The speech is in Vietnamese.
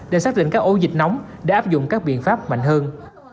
để xác định các ổ dịch nóng để áp dụng các biện pháp mạnh hơn